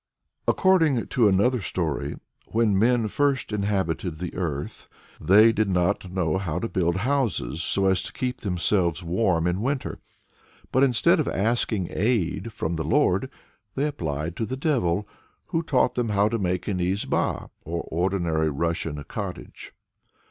According to another story, when men first inhabited the earth, they did not know how to build houses, so as to keep themselves warm in winter. But instead of asking aid from the Lord, they applied to the Devil, who taught them how to make an izba or ordinary Russian cottage.